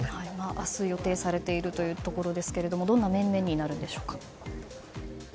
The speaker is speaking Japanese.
明日、予定されているというところですがどんな面々になるんでしょうか。